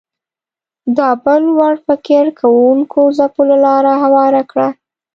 دا بل وړ فکر کوونکو ځپلو لاره هواره کړه